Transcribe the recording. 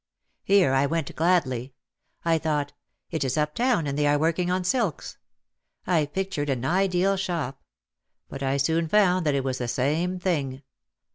Here I went gladly. I thought, "It is uptown and they are working on silks." I pictured an ideal shop. But I soon found that it was the same thing.